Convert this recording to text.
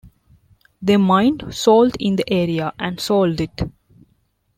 They mined salt in the area and sold it.